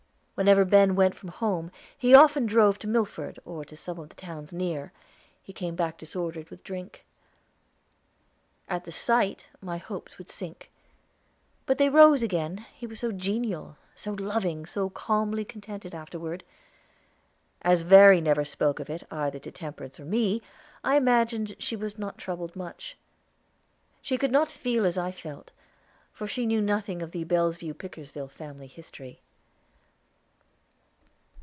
Whenever Ben went from home, and he often drove to Milford, or to some of the towns near, he came back disordered with drink. At the sight my hopes would sink. But they rose again, he was so genial, so loving, so calmly contented afterward. As Verry never spoke of it either to Temperance or me, I imagined she was not troubled much. She could not feel as I felt, for she knew nothing of the Bellevue Pickersgill family history.